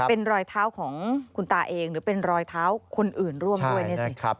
เป็นรอยเท้าของคุณตาเองหรือเป็นรอยเท้าคนอื่นร่วมด้วยนี่สิ